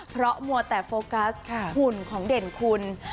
เพราะมัวแต่โฟกัสหุ่นของเด่นคุณ